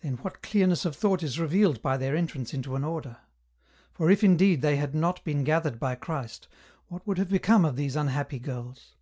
Then what clearness of thought is revealed by their entrance into an Order ! for if indeed they had not been gathered by Christ, what would have become of these unhappy girls